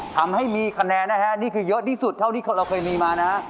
ทำให้มีคะแนนนะฮะนี่คือเยอะที่สุดเท่าที่เราเคยมีมานะ